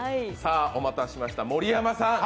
お待たせしました、盛山さん。